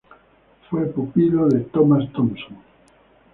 Fue pupilo de Thomas Thomson.